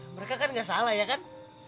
mereka tidak salah bukan